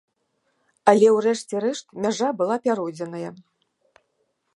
Але ў рэшце рэшт мяжа была пяройдзеная.